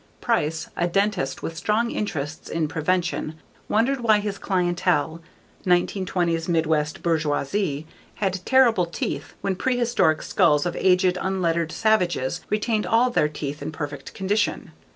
Price, a dentist with strong interests in prevention, wondered why his clientele, 1920s midwest bourgeoisie, had terrible teeth when prehistoric skulls of aged unlettered savages retained all their teeth in perfect condition.